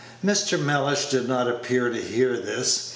Mr. Mellish did not appear to hear this.